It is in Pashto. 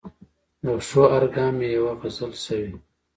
د پښو هر ګام یې یوه غزل شوې.